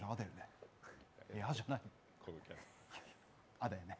「あ」だよね？